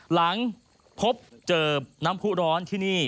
หลังพบเจอน้ำผู้ร้อนที่นี่